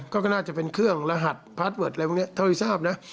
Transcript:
ก็น่าจะเป็นเครื่องรหัสพาร์ทเวิร์ดอะไรอย่างนี้